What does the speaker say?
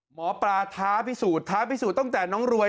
หมอปลาท้าพิสูจน์ท้าพิสูจน์ตั้งแต่น้องรวย